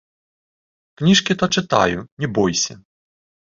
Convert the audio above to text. Кніжкі то чытаю, не бойся.